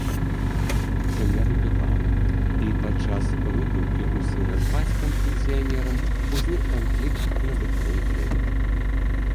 Сям'я выпівала, і падчас выпіўкі ў сына з бацькам-пенсіянерам узнік канфлікт на бытавой глебе.